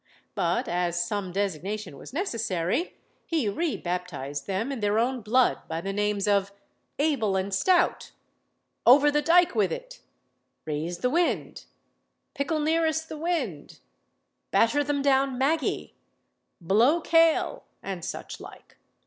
But as some designation was necessary, he re baptised them in their own blood by the names of "Able and Stout," "Over the dike with it," "Raise the wind," "Pickle nearest the wind," "Batter them down Maggy," "Blow Kale," and such like.